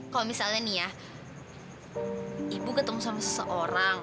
kalau misalnya nih ya ibu ketemu sama seseorang